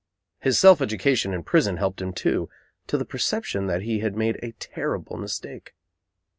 His self education in prison helped him, too, to the perception that he had made a terrible mistake.